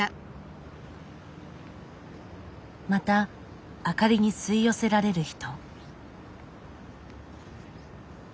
また明かりに吸い寄せられる人。